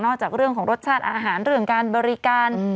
จากเรื่องของรสชาติอาหารเรื่องการบริการ